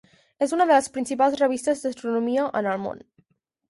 És una de les principals revistes d'astronomia en el món.